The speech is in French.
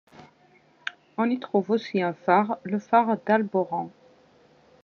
On y trouve aussi un phare, le phare d'Alborán.